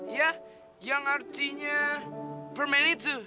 ya yang artinya permen itu